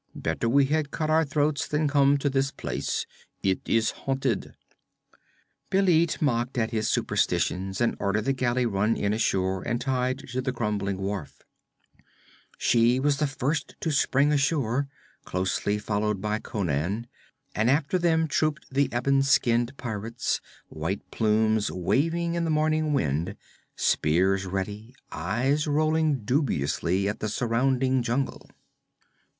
'Better we had cut our throats than come to this place. It is haunted.' Bêlit mocked at his superstitions and ordered the galley run inshore and tied to the crumbling wharfs. She was the first to spring ashore, closely followed by Conan, and after them trooped the ebon skinned pirates, white plumes waving in the morning wind, spears ready, eyes rolling dubiously at the surrounding jungle.